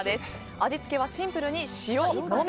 味付けはシンプルに塩のみ。